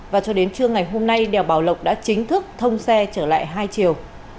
và cho đến trưa ngày hôm nay đèo bảo lộc đã chính thức thông xe trở lại hai chiều